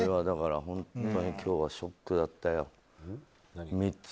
本当に今日はショックだったよ。